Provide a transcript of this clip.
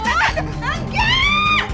gak gak gak gak